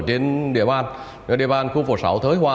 địa bàn khu phố sáu thới hoa